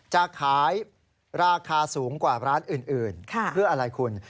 จะขายราคาสูงกว่าร้านอื่นเพื่ออะไรคุณ